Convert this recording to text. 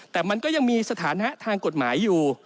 แต่มันก็ยังมีสถานะทางกฎหมายอยู่